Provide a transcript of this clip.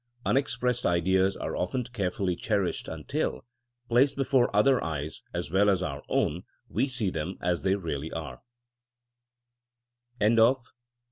Unexpressed ideas are often carefully cherished until, placed before other eyes as well as our own, we see them as they really are, '*^ IT.